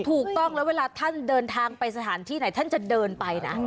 ถูกต้องแล้วเวลาท่านเดินทางไปสถานที่ไหนท่านจะเดินไปนะ